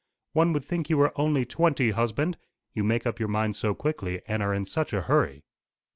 "One would think you were only twenty, husband you make up your mind so quickly, and are in such a hurry."